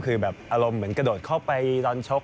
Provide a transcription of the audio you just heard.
คือแบบอารมณ์เหมือนกระโดดเข้าไปตอนชก